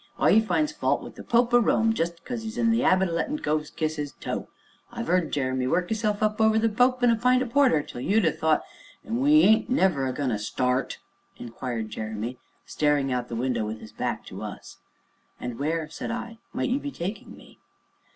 Why, 'e finds fault wi' the Pope o' Rome, jest because 'e's in the 'abit o' lettin' coves kiss 'is toe I've 'eard Jeremy work 'isself up over the Pope an' a pint o' porter, till you'd 'ave thought " "Ain't we never a goin' to start?" inquired Jeremy, staring out of the window, with his back to us. "And where," said I, "where might you be taking me?"